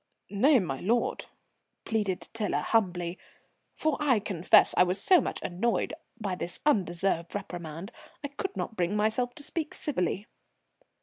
"Nay, my lord," pleaded Tiler humbly, for I confess I was so much annoyed by this undeserved reprimand I could not bring myself to speak civilly.